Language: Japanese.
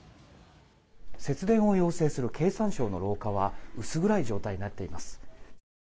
節電を要請する経産省の廊下は薄暗い状態になっています。